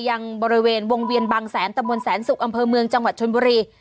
ยังบริเวณวงเวียนบางแสนตะบนแสนศุกร์อำเภอเมืองจังหวัดชนบุรี